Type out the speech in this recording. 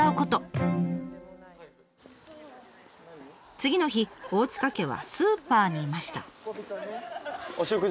次の日大塚家はスーパーにいました。